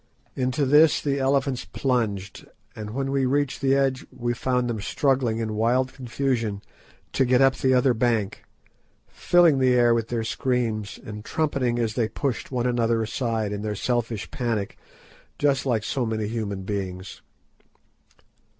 Into this the elephants plunged, and when we reached the edge we found them struggling in wild confusion to get up the other bank, filling the air with their screams, and trumpeting as they pushed one another aside in their selfish panic, just like so many human beings.